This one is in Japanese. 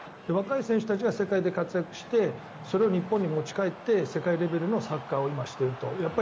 若い選手たちは世界で活躍してそれを日本に持ち帰って世界レベルのサッカーを今、していると。